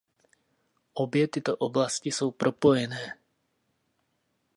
Obě tyto oblasti jsou propojené.